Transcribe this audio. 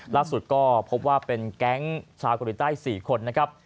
ล่าสุดพบว่าเป็นแก๊งชาวเกาหลีใต้๔คน